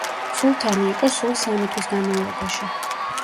სულთანი იყო სულ სამი თვის განმავლობაში.